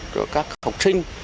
của các học sinh